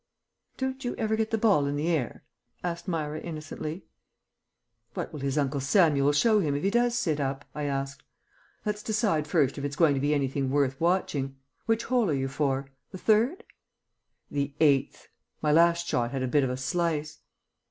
"Don't you ever get the ball in the air?" said Myra innocently. "What will his Uncle Samuel show him if he does sit up?" I asked. "Let's decide first if it's going to be anything worth watching. Which hole are you for? The third?" "The eighth. My last shot had a bit of a slice."